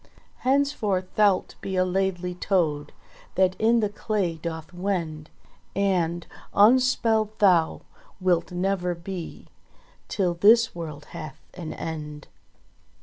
Henceforth thou'lt be a Laidly Toad That in the clay doth wend, And unspelled thou wilt never be Till this world hath an end."